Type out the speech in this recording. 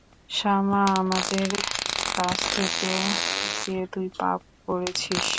শামা, আমাদের কাছ থেকে এটা লুকিয়ে তুই পাপ করেছিস।